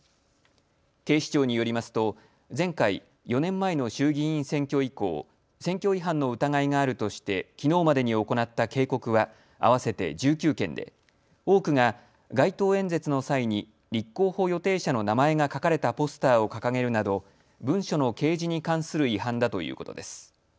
警視庁によりますと前回、４年前の衆議院選挙以降、選挙違反の疑いがあるとしてきのうまでに行った警告は合わせて１９件で多くが街頭演説の際に立候補予定者の名前が書かれたポスターを掲げるなど文書の掲示に関する違反だということです。